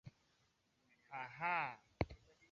kibiashara Haihusiani kikamili na kutengeneza utajiri